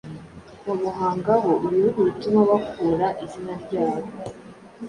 babuhangaho ibihugu, bituma bakura izina ryabo